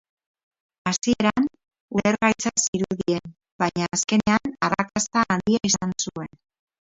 Hasieran, ulergaitza zirudien, baina azkenean arrakasta handia izan zuen.